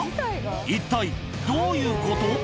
一体どういうこと？